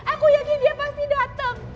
aku yakin dia pasti datang